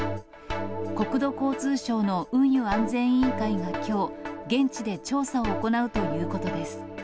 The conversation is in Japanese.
国土交通省の運輸安全委員会がきょう、現地で調査を行うということです。